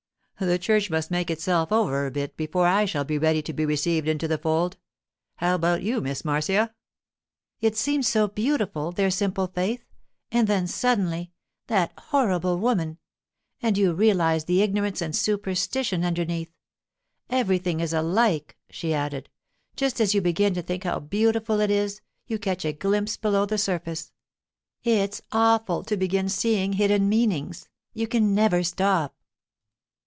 'The church must make itself over a bit before I shall be ready to be received into the fold. How about you, Miss Marcia?' 'It seemed so beautiful, their simple faith; and then suddenly—that horrible woman—and you realize the ignorance and superstition underneath. Everything is alike!' she added. 'Just as you begin to think how beautiful it is, you catch a glimpse below the surface. It's awful to begin seeing hidden meanings; you can never stop.